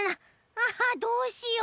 あどうしよう。